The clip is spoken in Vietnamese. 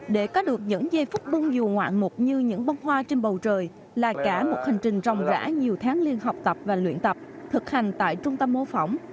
để có được những giây phút bung dù ngoạn mục như những bông hoa trên bầu trời là cả một hành trình ròng rã nhiều tháng liên học tập và luyện tập thực hành tại trung tâm mô phỏng